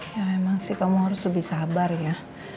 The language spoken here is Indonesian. ya emang sih kamu harus lebih sabar ya